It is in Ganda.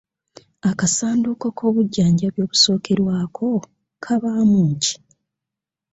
Akasanduuko k'obujjanjabi obusookerwako kabaamu ki?